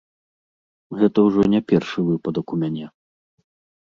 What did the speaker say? Гэта ж ужо не першы выпадак у мяне.